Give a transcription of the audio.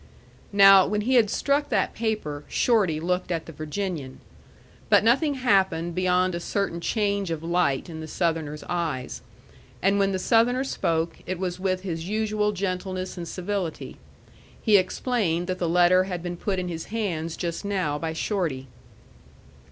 Now, when he had struck that paper, Shorty looked at the Virginian. But nothing happened beyond a certain change of light in the Southerner's eyes. And when the Southerner spoke, it was with his usual gentleness and civility. He explained that the letter had been put in his hands just now by Shorty.